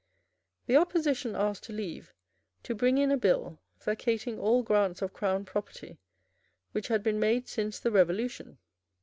The opposition asked leave to bring in a bill vacating all grants of Crown property which had been made since the Revolution.